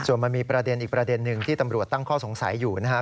ส่วนมันมีประเด็นอีกประเด็นหนึ่งที่ตำรวจตั้งข้อสงสัยอยู่นะครับ